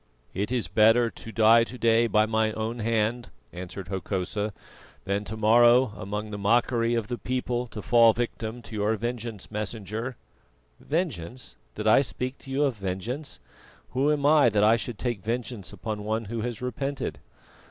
"It is better to die to day by my own hand," answered Hokosa, "than to morrow among the mockery of the people to fall a victim to your vengeance, Messenger." "Vengeance! Did I speak to you of vengeance? Who am I that I should take vengeance upon one who has repented?